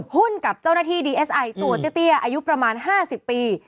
กับเจ้าหน้าที่ดีเอสไอตัวเตี้ยอายุประมาณ๕๐ปี